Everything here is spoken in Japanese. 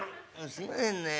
「すいませんねえ。